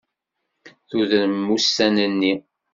Tudrem isunan-nni.